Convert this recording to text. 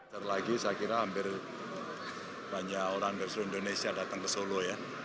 terlagi saya kira hampir banyak orang dari seluruh indonesia datang ke solo ya